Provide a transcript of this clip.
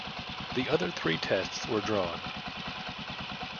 The other three Tests were drawn.